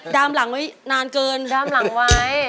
มหลังไว้นานเกินดามหลังไว้